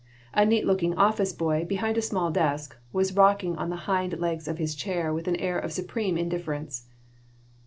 A neat looking office boy, behind a small desk, was rocking on the hind legs of his chair with an air of supreme indifference.